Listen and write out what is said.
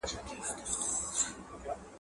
مرهټه وو څنګه ډهلی ونیو؟